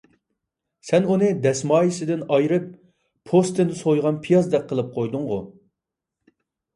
سەن ئۇنى دەسمايىسىدىن ئايرىپ، پوستىنى سويغان پىيازدەك قىلىپ قويدۇڭغۇ!